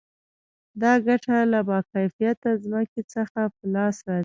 دا ګټه له با کیفیته ځمکې څخه په لاس راځي